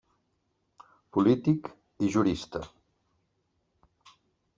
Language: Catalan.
Polític i jurista.